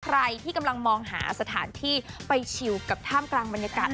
ใครที่กำลังมองหาสถานที่ไปชิวกับท่ามกลางบรรยากาศ